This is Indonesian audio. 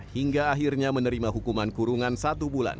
hingga akhirnya menerima hukuman kurungan satu bulan